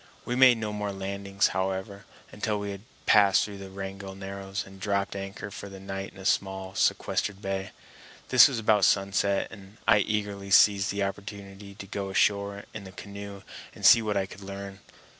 We made no more landings, however, until we had passed through the Wrangell Narrows and dropped anchor for the night in a small sequestered bay. This was about sunset, and I eagerly seized the opportunity to go ashore in the canoe and see what I could learn.